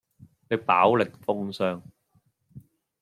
你飽歷風霜